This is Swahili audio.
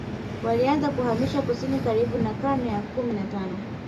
Walianza kuhamia kusini karibu na karne ya kumi na tano